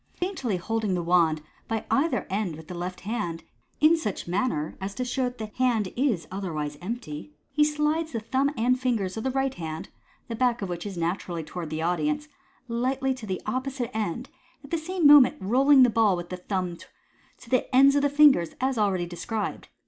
Daintily holding the MODERN MAGIC. 277 wand by either end with the left hand, in such manner as to show that the hand is otherwise empty, he slides the thumb and fingers of the right hand (the back of which is naturally towards the audience) lightly to the opposite end, at the same mo ment roll'tig the ball with the thumb to the ends of the fingers, as already described.